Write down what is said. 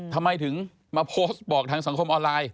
ทำไมถึงมาโพสต์บอกทางสังคมออนไลน์